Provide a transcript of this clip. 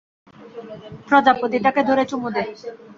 প্রজাপতিটাকে ধরে চুমু দে।